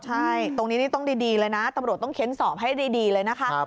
ใช่ตรงนี้นี่ต้องดีเลยนะตำรวจต้องเค้นสอบให้ดีเลยนะคะ